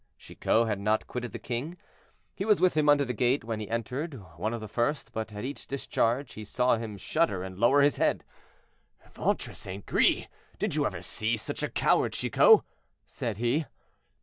Chicot had not quitted the king; he was with him under the gate when he entered, one of the first, but at each discharge he saw him shudder and lower his head. "Ventre St. Gris! did you ever see such a coward, Chicot?" said he.